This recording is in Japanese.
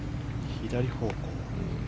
左方向。